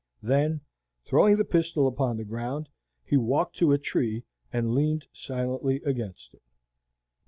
Then, throwing the pistol upon the ground, he walked to a tree and leaned silently against it.